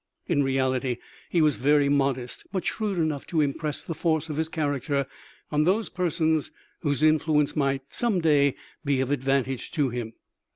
In reality he was very modest, but shrewd enough to impress the force of his character on those persons whose influence might some day be of advantage to him.